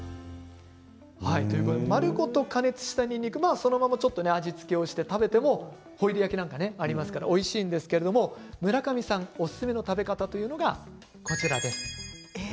丸ごと加熱したにんにくそのままちょっと味付けをして食べてもホイル焼きなんかありますからおいしいんですけど村上さん、おすすめの食べ方というのがこちらです。